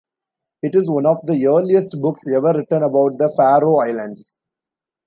It is one of the earliest books ever written about the Faroe Islands.